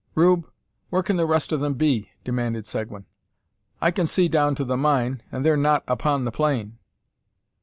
"Rube, where can the rest of them be?" demanded Seguin; "I can see down to the mine, and they are not upon the plain."